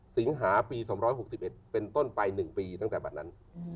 สิงหาปี๒๖๑เป็นต้นไป๑ปีตั้งแต่บัตรนั้น